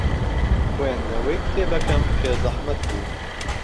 خوێندنەوەی کتێبەکەم پێ زەحمەت بوو.